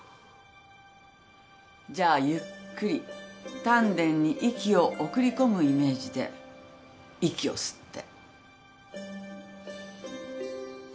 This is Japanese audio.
じゃあゆっくり丹田に息を送り込むイメージで息を吸って。